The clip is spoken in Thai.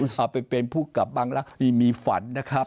เราไปเป็นผู้กับบังรักษณีมีฝันนะครับ